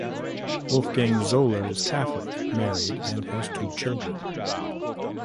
Wolfgang Zöller is Catholic, married and has two children.